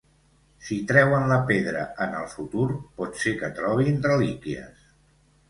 Si treuen la pedra en el futur, pot ser que trobin relíquies.